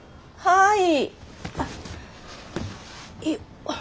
はい？